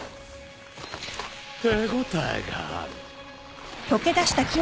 手応えがある。